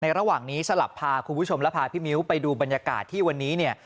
ระหว่างนี้สลับพาคุณผู้ชมและพาพี่มิ้วไปดูบรรยากาศที่วันนี้เนี่ย